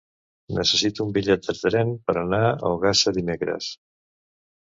Necessito un bitllet de tren per anar a Ogassa dimecres.